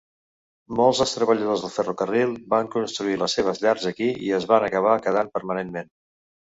Molts dels treballadors del ferrocarril van construir les seves llars aquí i es van acabar quedant permanentment.